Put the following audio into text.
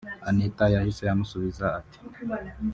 Anita yahise amusubiza ati